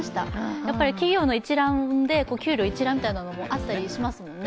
やっぱり企業の一覧で給料一覧みたいなのもあったりしますもんね。